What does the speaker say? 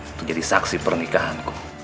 untuk jadi saksi pernikahanku